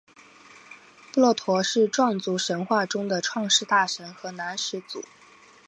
布洛陀是壮族神话中的创世大神和男始祖。